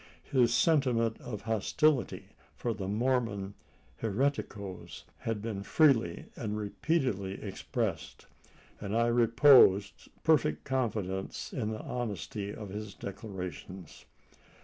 His sentiment of hostility for the Mormon "hereticos" had been freely and repeatedly expressed; and I reposed perfect confidence in the honesty of his declarations.